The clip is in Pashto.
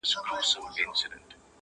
چي مو ګران افغانستان هنرستان سي,